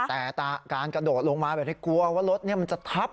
แต่การกระโดดลงมาแบบนี้กลัวว่ารถมันจะทับ